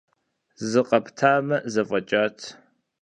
Зыкъэптамэ, зэфӀэкӀат.